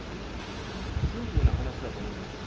シンプルな話だと思います。